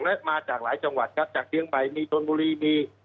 และมาจากหลายจังหวัดครับจากเชียงใหม่มีชนบุรีมี